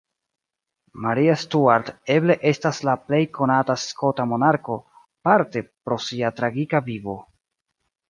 Maria Stuart eble estas la plej konata skota monarko, parte pro sia tragika vivo.